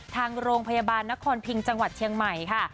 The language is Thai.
ทางโรงพยาบาลนครพิงจังหวัดเชียงใหม่ค่ะ